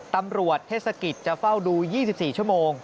ตำรวจเทศกิจจะเฝ้าดู๒๔ชั่วโมง